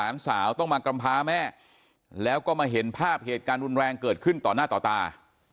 มันแรงเกิดขึ้นต่อหน้าต่อตา